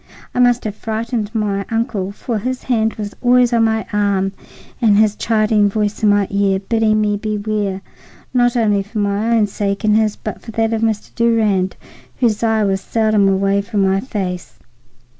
I must have frightened my uncle, for his hand was always on my arm and his chiding voice in my ear, bidding me beware, not only for my own sake and his, but for that of Mr. Durand, whose eye was seldom away from my face.